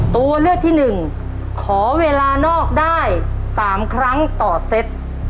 ตัวเลือกที่หนึ่งขอเวลานอกได้๓ครั้งต่อเซต